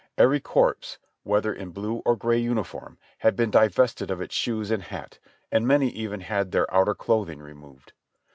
Every corpse, whether in blue or gray uniform, had been divested of its shoes and hat, and many even had their outer clothing removed.